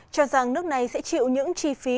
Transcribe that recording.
cho rằng nước này sẽ chịu những chi phí